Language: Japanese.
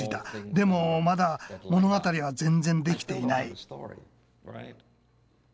でもまだ物語は全然出来ていない。